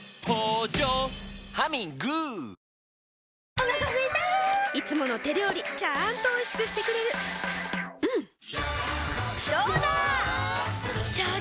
お腹すいたいつもの手料理ちゃんとおいしくしてくれるジューうんどうだわ！